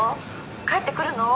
帰ってくるの？